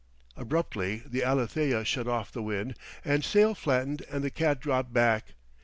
Abruptly the Alethea shut off the wind; the sail flattened and the cat dropped back.